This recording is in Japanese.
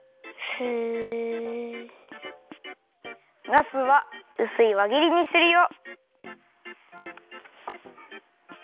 ナスはうすいわぎりにするよ。